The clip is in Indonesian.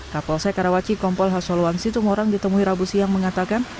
kapolsek karawaci kompol hasoluang situmorang ditemui rabu siang mengatakan